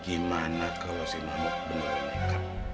gimana kalo si mahmud bener bener makeup